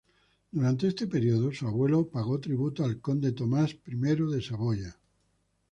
Durante este período, su abuela pagó tributo al conde Tomás I de Saboya.